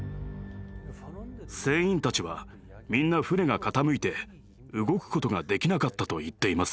船員たちはみんな船が傾いて動くことができなかったと言っています。